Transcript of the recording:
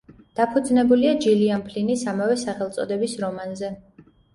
დაფუძნებულია ჯილიან ფლინის ამავე სახელწოდების რომანზე.